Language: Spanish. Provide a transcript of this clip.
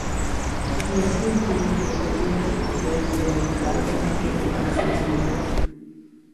Y así el cliente podía recoger el encargo a tiempo para su desayuno.